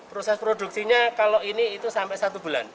proses produksinya kalau ini itu sampai satu bulan